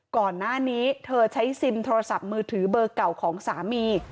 ก่อนหน้านี้เธอใช้ซิมโทรศัพท์มือถือเบอร์เก่าของสามี